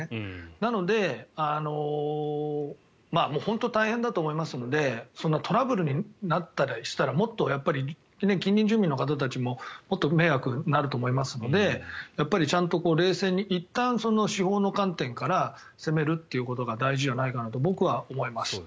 なので本当に大変だと思いますのでそんなトラブルになったりしたら近隣住民の方たちももっと迷惑になると思いますのでちゃんと冷静にいったん司法の観点から攻めるっていうことが大事じゃないかなと僕は思います。